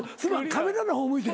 カメラの方向いて。